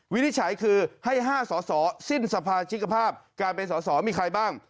วินิจฉัยคือให้๕สอสอสิ้นสมาชิกภาพการเป็นสอสอมีใครบ้าง